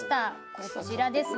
こちらですね